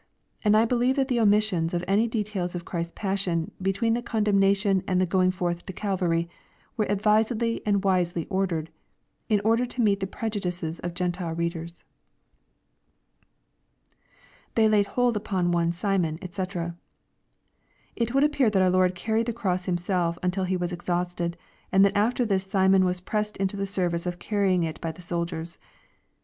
And I beheve that the omission of any details of Christ's passion between the condemnation and tlie going forth to Calvary, was advisedly and wisely ordered, in order to meet the prejudices of Gentile readers. [^They lay hold upon one Shnon^ &c'\ It would appear that our Lord carried the cross Himself until He was exhausted, and that after this Simon was pressed into the service of carrying it by the soldiers.